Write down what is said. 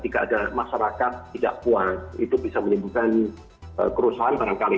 jika ada masyarakat tidak puas itu bisa menimbulkan kerusuhan barangkali